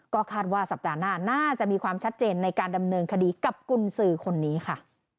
ก็คาดว่าสัปดาห์หน้าน่าจะมีความชัดเจนในการดำเนินคดีกับกุญสือคนนี้ค่ะ